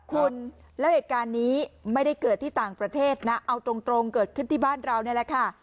คุณแล้วเหตุการณ์นี้ไม่ได้เกิดที่ต่างประเทศนะเอาตรงเกิดขึ้นที่บ้านเรานี่แหละค่ะ